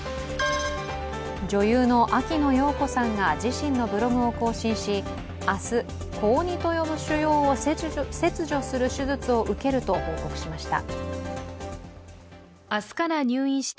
女優の秋野暢子さんが自身のブログを更新し、明日、子鬼と呼ぶ腫瘍を切除する手術を受けると報告しました。